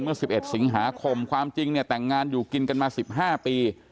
เมื่อ๑๑สิงหาคมความจริงเนี่ยแต่งงานอยู่กินกันมา๑๕ปี